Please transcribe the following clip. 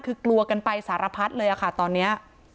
คือกลัวกันไปสารพัดเลยค่ะตอนนี้